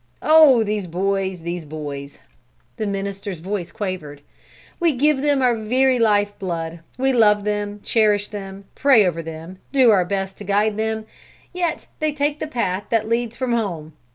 Oh! these boys, these boys!" The minister's voice quavered. "We give them our very life blood. We love them, cherish them, pray over them, do our best to guide them, yet they take the path that leads from home.